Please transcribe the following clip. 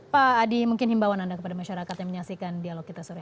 pak adi mungkin himbauan anda kepada masyarakat yang menyaksikan dialog kita sore ini